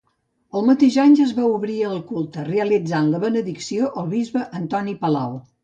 El mateix any, es va obrir al culte realitzant la benedicció el bisbe Antoni Palau.